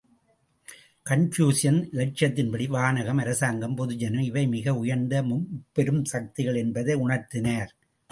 கன்பூசியசின் இலட்சியத்தின்படி, வானகம், அரசாங்கம், பொதுஜனம் இவை மிக உயர்ந்த முப்பெரும் சக்திகள் என்பதை உணர்த்தினார்.